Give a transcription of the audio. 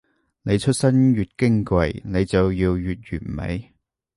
你出身越矜貴，你就要越完美